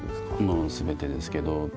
全てですけど。